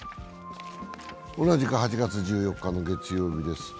同じく８月１４日の月曜日です。